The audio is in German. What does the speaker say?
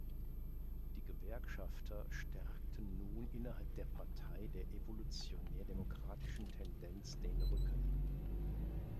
Die Gewerkschafter stärkten nun innerhalb der Partei der evolutionär-demokratischen Tendenz den Rücken.